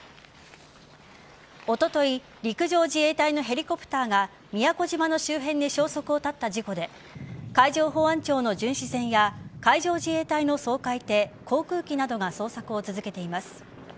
おととい陸上自衛隊のヘリコプターが宮古島の周辺で消息を絶った事故で海上保安庁の巡視船や海上自衛隊の掃海艇航空機などが捜索を続けています。